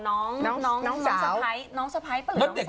น้องสะพ้ายปะหรือน้องสาว